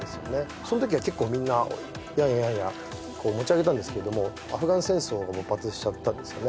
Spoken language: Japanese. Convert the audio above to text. その時は結構みんなやんややんや持ち上げたんですけれどもアフガン戦争が勃発しちゃったんですよね